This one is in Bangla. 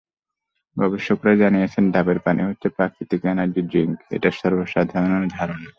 গবেষকেরা জানিয়েছেন, ডাবের পানি হচ্ছে প্রাকৃতিক এনার্জি ড্রিংক—এটা সর্ব সাধারণেরও ধারণা।